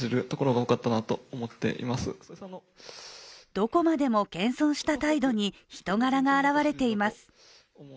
どこまでも謙遜した態度に人柄が表れています。